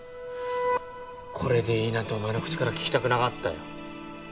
これでいいなんてお前の口から聞きたくなかったよ